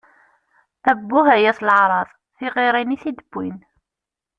Abbuh, ay at leεṛaḍ! Tiɣirin i t-id-bbwin!